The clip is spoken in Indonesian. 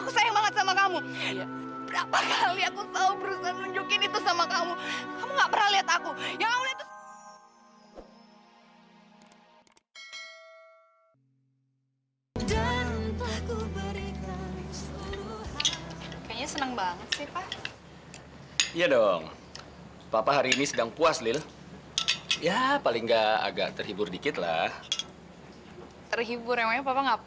sampai jumpa di video selanjutnya